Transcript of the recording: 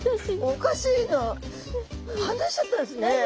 おかしいな離しちゃったんですね。